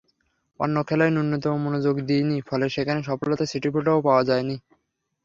অন্য খেলায় ন্যূনতম মনোযোগ দিইনি, ফলে সেখানে সফলতার ছিটেফোঁটাও পাওয়া যায়নি।